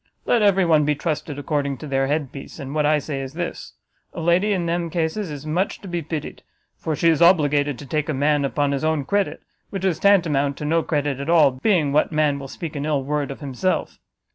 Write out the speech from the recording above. Let every one be trusted according to their headpiece and what I say is this: a lady in them cases is much to be pitied, for she is obligated to take a man upon his own credit, which is tantamount to no credit at all, being what man will speak an ill word of himself?